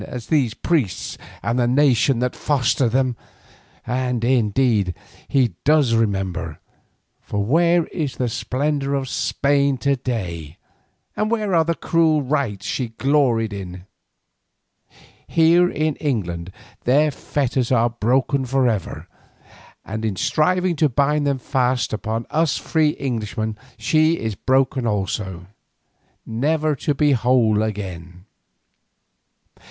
And, in deed, He does remember, for where is the splendour of Spain to day, and where are the cruel rites she gloried in? Here in England their fetters are broken for ever, and in striving to bind them fast upon us free Englishmen she is broken also—never to be whole again.